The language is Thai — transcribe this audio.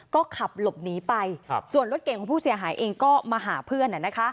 ก็ขับหลบหนีไปส่วนรถเก่งของผู้เสียหายเองก็มาหาเพื่อน